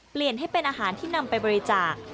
เปลี่ยนให้เป็นอาหารที่นำไปบริจาค